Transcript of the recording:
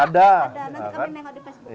ada nanti kami nempat di facebook bapak ya